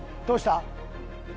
どうした？